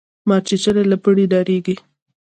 ـ مارچيچلى له پړي ډاريږي.